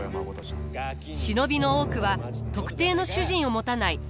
忍びの多くは特定の主人を持たないプロの傭兵集団。